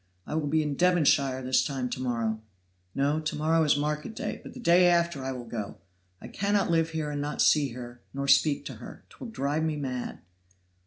I will be in Devonshire this time to morrow no, to morrow is market day but the day after I will go. I cannot live here and not see her, nor speak to her 'twill drive me mad."